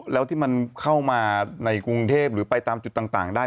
แล้วที่มันเข้ามาในกรุงเทพหรือไปตามจุดต่างได้